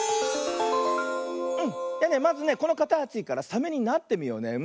うんまずねこのかたちからサメになってみようね。